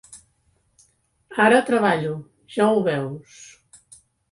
Ara treballo, ja ho veus.